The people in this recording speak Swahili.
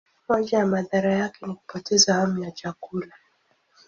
Moja ya madhara yake ni kupoteza hamu ya chakula.